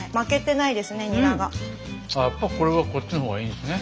やっぱこれはこっちの方がいいんすね。